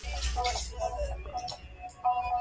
موږ لوبې کوو.